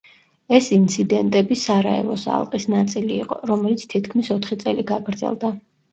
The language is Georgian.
ეს ინციდენტები სარაევოს ალყის ნაწილი იყო, რომელიც თითქმის ოთხი წელი გაგრძელდა.